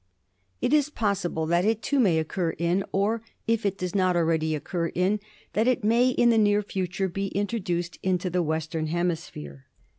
It is possible that it, too, may occur in, or if it does not already occur in, that it may in the near future be intro duced into the Western Hemisphere.